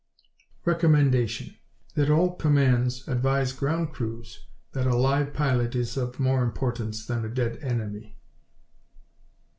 "Recommendation: That all commands advise ground crews that a live pilot is of more importance than a dead enemy."